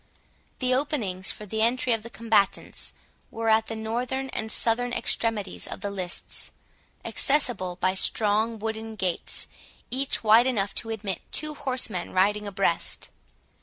The openings for the entry of the combatants were at the northern and southern extremities of the lists, accessible by strong wooden gates, each wide enough to admit two horsemen riding abreast.